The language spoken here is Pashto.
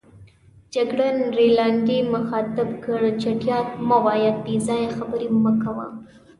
جګړن رینالډي مخاطب کړ: چټیات مه وایه، بې ځایه خبرې مه کوه.